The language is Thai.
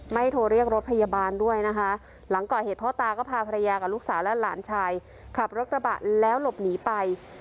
โทรเรียกรถพยาบาลด้วยนะคะหลังก่อเหตุพ่อตาก็พาภรรยากับลูกสาวและหลานชายขับรถกระบะแล้วหลบหนีไป